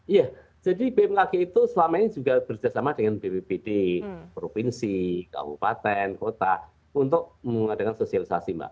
iya jadi bmkg itu selama ini juga bekerjasama dengan bppt provinsi kabupaten kota untuk mengadakan sosialisasi mbak